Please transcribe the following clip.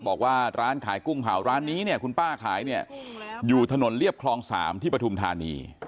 บอกว่าร้านขายกุ้งเผาร้านนี้เนี่ยคุณป้าขายเนี่ยอยู่ถนนเรียบคลอง๓ที่ปฐุมธานี